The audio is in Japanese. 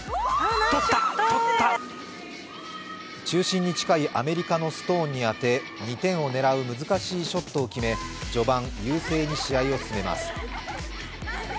中心に近いアメリカのストーンに当て、２点を狙う難しいショットを決め、序盤、優勢に試合を進めます。